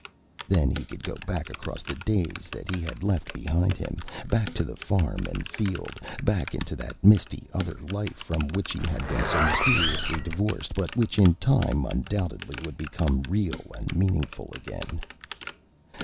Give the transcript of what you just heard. Then he could go back across the days that he had left behind him, back to the farm and field, back into that misty other life from which he had been so mysteriously divorced, but which in time undoubtedly would become real and meaningful again.